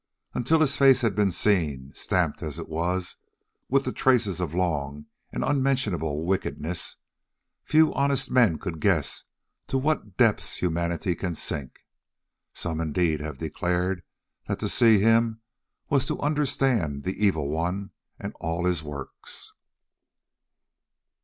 Until his face had been seen, stamped as it was with the traces of long and unmentionable wickedness, few honest men could guess to what depths humanity can sink. Some indeed have declared that to see him was to understand the Evil One and all his works.